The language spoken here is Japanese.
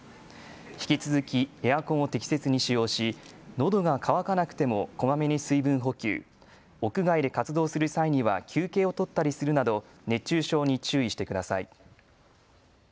引き続きエアコンを適切に使用し、のどが渇かなくてもこまめに水分補給、屋外で活動する際には休憩を取ったりするなど熱中症に注意してください。